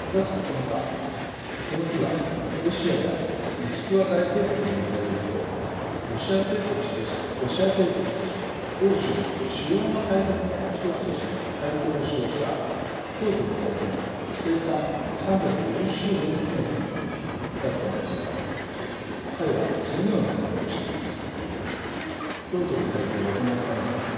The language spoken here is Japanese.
この日はロシアがモスクワ大公国の時代を経てロシア帝国として欧州の主要な大国の一つとしての台頭を主導したピョートル大帝の生誕３５０周年記念日だったのですが彼は次のような発言をしています。